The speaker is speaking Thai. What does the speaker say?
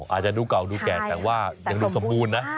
อาจจะดูเก่าดูแก่แต่ว่ายังดูสมบูรณ์นะ